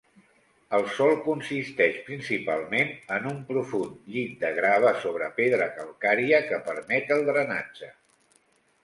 El sòl consisteix principalment en un profund llit de grava sobre pedra calcària que permet el drenatge.